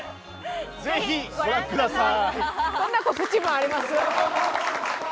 ぜひご覧ください！